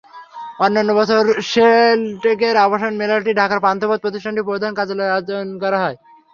অন্যান্য বছর শেল্টেকের আবাসন মেলাটি ঢাকার পান্থপথে প্রতিষ্ঠানটির প্রধান কার্যালয়ে আয়োজন করা হয়।